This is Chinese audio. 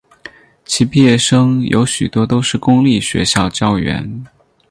其毕业生有许多都是公立学校教员。